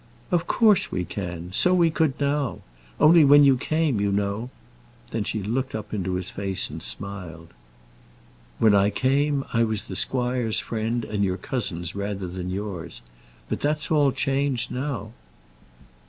"Of course we can. So we could now. Only when you came, you know " Then she looked up into his face and smiled. "When I came, I was the squire's friend and your cousin's, rather than yours. But that's all changed now."